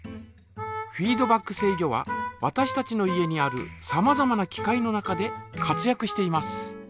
フィードバック制御はわたしたちの家にあるさまざまな機械の中で活やくしています。